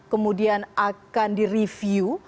kemudian akan direview